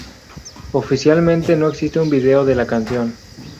Oficialmente no existe un video de la canción.